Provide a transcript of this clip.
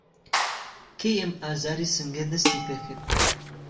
کەی ئەم ئازاری سنگه دەستی پیکرد؟